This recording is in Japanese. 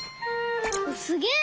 すげえ！